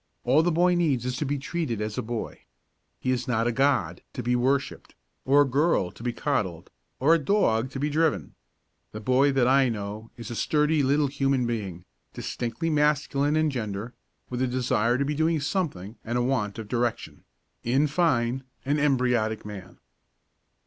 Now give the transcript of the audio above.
All the boy needs is to be treated as a boy. He is not a god, to be worshipped, or a girl, to be coddled, or a dog, to be driven. The boy that I know is a sturdy little human being, distinctly masculine in gender, with a desire to be doing something and a want of direction; in fine, an embryotic man.